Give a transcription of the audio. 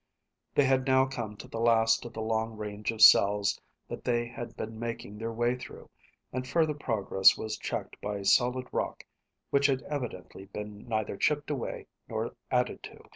They had now come to the last of the long range of cells that they had been making their way through, and further progress was checked by solid rock which had evidently been neither chipped away nor added to.